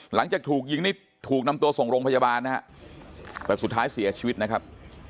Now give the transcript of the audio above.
หลังจากถูกยิงนี่ถูกนำตัวส่งโรงพยาบาลนะฮะแต่สุดท้ายเสียชีวิตนะครับ